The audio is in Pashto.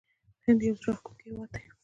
هند یو زړه راښکونکی هیواد دی.